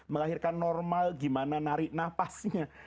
melahirkan normal gimana narik napasnya